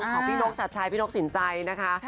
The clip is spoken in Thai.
ของพี่นกชัดชัยพี่นกสินใจนะคะ